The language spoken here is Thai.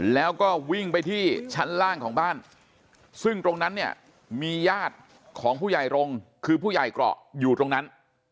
แล้วก็วิ่งไปที่ชั้นล่างของบ้านซึ่งตรงนั้นเนี่ยมีญาติของผู้ใหญ่รงค์คือผู้ใหญ่เกราะอยู่ตรงนั้น